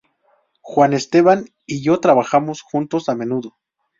Juan Esteban y yo trabajamos juntos a menudo.